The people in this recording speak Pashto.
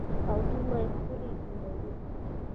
او دومره يې ښکلي جوړوي.